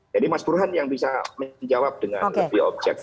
jadi mas burhan yang bisa menjawab dengan lebih objektif